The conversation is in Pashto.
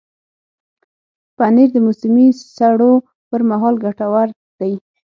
پنېر د موسمي سړو پر مهال ګټور دی.